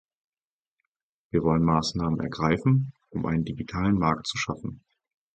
Wir wollen Maßnahmen ergreifen, um einen digitalen Markt zu schaffen.